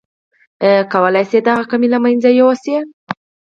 کولای شئ دغه کمی له منځه يوسئ.